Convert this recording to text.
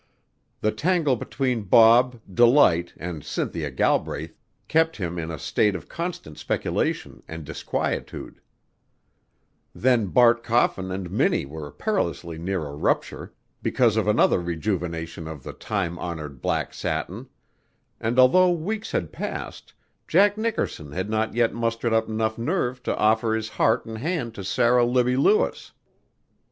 The tangle between Bob, Delight, and Cynthia Galbraith kept him in a state of constant speculation and disquietude; then Bart Coffin and Minnie were perilously near a rupture because of another rejuvenation of the time honored black satin; and although weeks had passed, Jack Nickerson had not yet mustered up nerve enough to offer his heart and hand to Sarah Libbie Lewis.